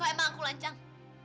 kau emang aku lancang